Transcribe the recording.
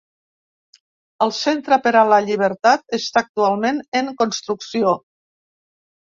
El Centre per a la Llibertat està actualment en construcció.